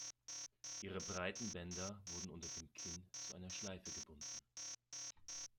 Ihre breiten Bänder wurden unter dem Kinn zu einer Schleife gebunden.